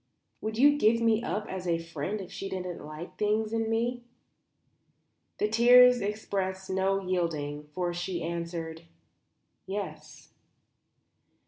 Would you give me up as a friend if she didn't like things in me?" The tears expressed no yielding, for she answered "Yes."